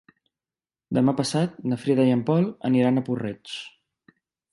Demà passat na Frida i en Pol aniran a Puig-reig.